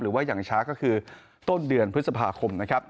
หรือว่าอย่างช้าก็คือต้นเดือนพฤษภาคมนะครับ